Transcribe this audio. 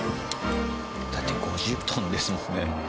だって５０トンですもんね。